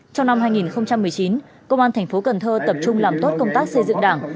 trong năm hai nghìn một mươi chín công an thành phố cần thơ tập trung làm tốt công tác xây dựng đảng